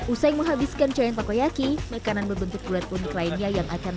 usai menghabiskan coklat takoyaki makanan berbentuk bulat pun lainnya yang akan